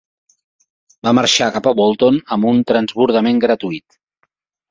Va marxar cap a Bolton amb un transbordament gratuït.